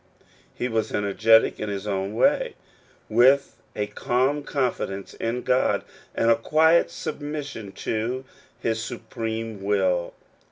He was energetic in his own way, with a calm confidence in God, and a quiet submis sion to his supreme will.